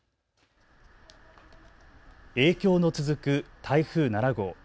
影響の続く台風７号。